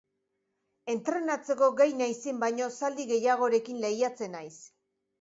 Entrenatzeko gai naizen baino zaldi gehiagorekin lehiatzen naiz.